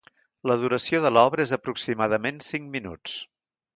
La duració de l'obra és aproximadament cinc minuts.